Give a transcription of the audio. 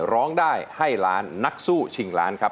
ขอบคุณค่ะ